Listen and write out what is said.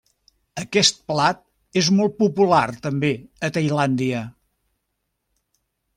Aquest plat és molt popular també a Tailàndia.